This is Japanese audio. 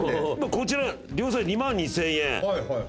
こちら２万２，０００円。